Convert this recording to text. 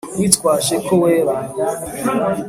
witwaje ko wera